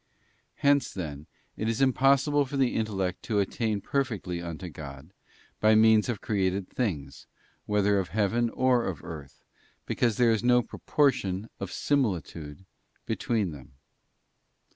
Hence, then, it is im possible for the intellect to attain perfectly unto God, by means of created things, whether of heaven or of earth, because there is no proportion of similitude between them.